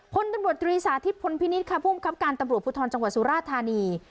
พลตำรวจตรีสาธิตพลพินิษฐ์ค่ะผู้บังคับการตำรวจภูทรจังหวัดสุราธานี